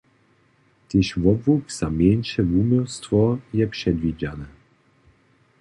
Tež wobłuk za mjeńše wuměłstwo je předwidźane.